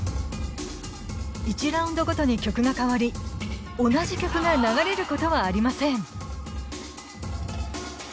１ラウンドごとに曲が変わり同じ曲が流れることはありません。